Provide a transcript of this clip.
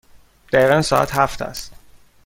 دقیقاً ساعت هفت است.